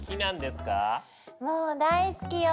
もう大好きよ。